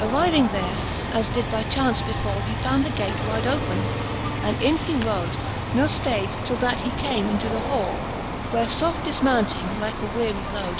XIX. Arriving there, as did by chaunce befall, He found the gate wide ope, and in he rode, Ne ftay'd, till that he came into the hall : Where foft difmounting, like a weary lode.